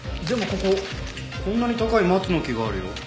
でもこここんなに高い松の木があるよ。